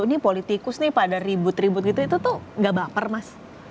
ini politikus nih pada ribut ribut gitu itu tuh gak baper mas